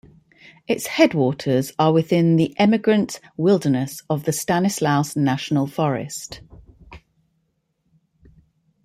Its headwaters are within the Emigrant Wilderness of the Stanislaus National Forest.